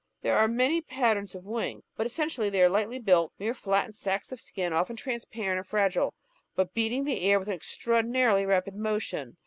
There are many patterns of wings, but essentially they are lightly built, mere flattened sacs of skin, often transparent and fragile, but beating the air with an extraordinarily rapid motion.